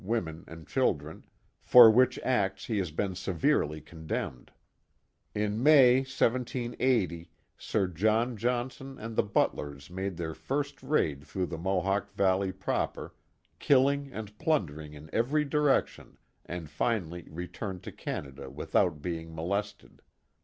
women, and children, for which acts he has been severely condemned. In May, [/So, Sir John Johnson and the Butlers made their first raid through the Mohawk Valley proper, killing and plundering in every direction, and finally returned to Canada without being molested.